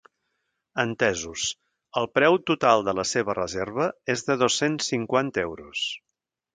Entesos, el preu total de la seva reserva és de dos-cents cinquanta euros.